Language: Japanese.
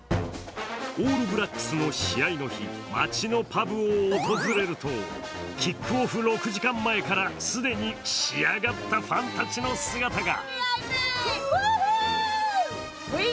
オールブラックスの試合の日、町のパブを訪れるとキックオフ６時間前から既に仕上がったファンたちの姿が。